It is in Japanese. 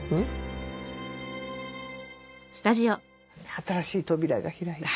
新しい扉が開いて。